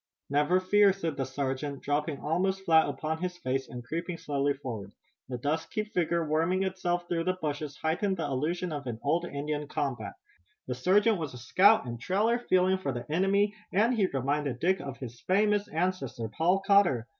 "Never fear," said the sergeant, dropping almost flat upon his face, and creeping slowly forward. The dusky figure worming itself through the bushes heightened the illusion of an old Indian combat. The sergeant was a scout and trailer feeling for the enemy and he reminded Dick of his famous ancestor, Paul Cotter.